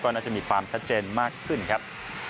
น่าจะมีความชัดเจนมากขึ้นครับ